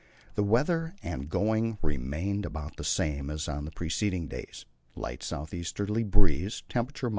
The weather and going remained about the same as on the preceding days: light south easterly breeze, temperature 18.